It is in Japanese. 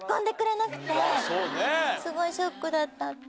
すごいショックだった。